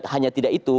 hanya tidak itu